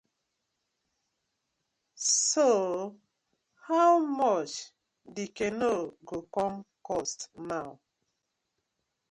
So how much the canoe go com cost naw?